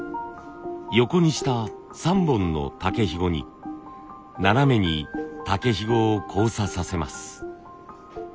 横にした３本の竹ひごに斜めに竹ひごを交差させます。